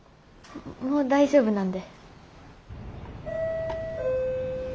もう大丈夫なんで。